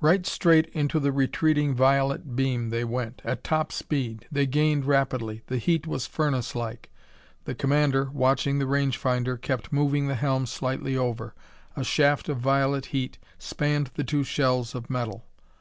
Right straight into the retreating violet beam they went, at top speed. They gained rapidly. The heat was furnace like. The commander, watching the range finder, kept moving the helm slightly over. A shaft of violet heat spanned the two shells of metal.